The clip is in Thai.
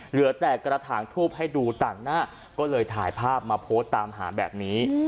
เหลือแต่กระถางทูบให้ดูต่างหน้าก็เลยถ่ายภาพมาโพสต์ตามหาแบบนี้